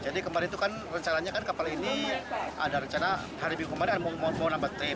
jadi kemarin itu kan rencananya kan kapal ini ada rencana hari minggu kemarin mau nambah trip